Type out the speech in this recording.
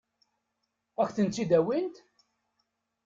Ad k-tent-id-awint?